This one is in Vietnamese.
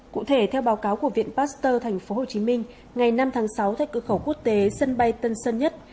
cụ thể theo báo cáo của viện pasteur tp hcm ngày năm tháng sáu tại cửa khẩu quốc tế sân bay tân sơn nhất